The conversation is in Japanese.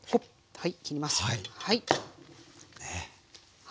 はい。